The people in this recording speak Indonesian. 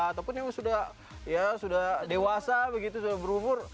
ataupun yang sudah ya sudah dewasa begitu sudah berumur